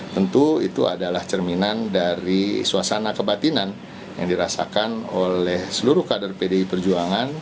tentu itu adalah cerminan dari suasana kebatinan yang dirasakan oleh seluruh kader pdi perjuangan